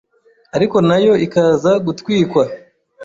ariko nayo ikaza gutwikwa